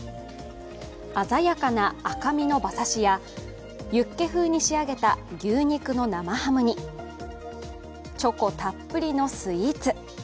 鮮やかな赤身の馬刺しやユッケ風に仕上げた牛肉の生ハムにチョコたっぷりのスイーツ。